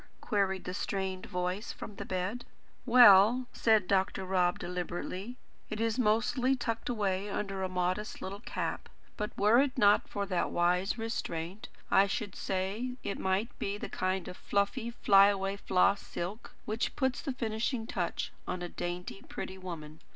queried the strained voice from the bed. "Well," said Dr. Rob deliberately, "it is mostly tucked away under a modest little cap; but, were it not for that wise restraint, I should say it might be that kind of fluffy, fly away floss silk, which puts the finishing touch to a dainty, pretty woman."